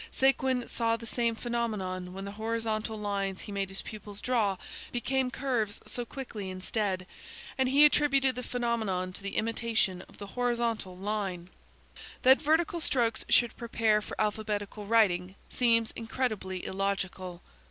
Séguin saw the same phenomenon when the horizontal lines he made his pupils draw became curves so quickly instead. And he attributed the phenomenon to the imitation of the horizon line! That vertical strokes should prepare for alphabetical writing, seems incredibly illogical.